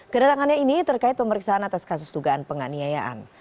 kedatangannya ini terkait pemeriksaan atas kasus dugaan penganiayaan